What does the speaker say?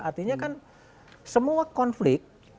artinya kan semua konflik